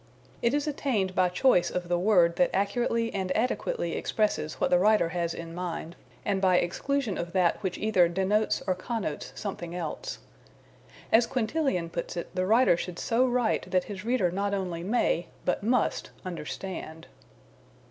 It is attained by choice of the word that accurately and adequately expresses what the writer has in mind, and by exclusion of that which either denotes or connotes something else. As Quintilian puts it, the writer should so write that his reader not only may, but must, understand.